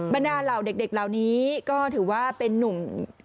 บรรดาเหล่าเด็กเหล่านี้ก็ถือว่าเป็นนุ่ม